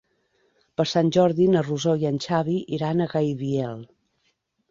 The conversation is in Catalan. Per Sant Jordi na Rosó i en Xavi iran a Gaibiel.